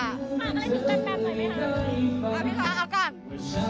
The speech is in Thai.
แล้วก็เลยมิ้นแบมแบมหน่อยไม๊ฮะ